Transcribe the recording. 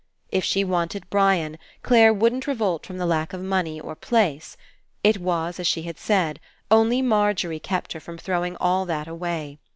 If she wanted Brian, Clare wouldn't revolt from the lack of money or place. It was as she had said, only Margery kept her from throwing all that away.